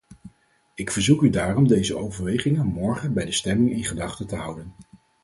Ik verzoek u daarom deze overwegingen morgen bij de stemming in gedachten te houden.